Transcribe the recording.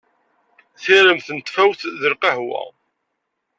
Tirmt n tfawt d lqhwa.